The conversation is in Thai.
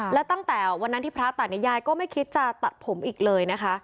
แล้วตั้งแต่วันนั้นที่พระตัดยายก็ไม่คิดจะตัดผมอีกเลยนะคะ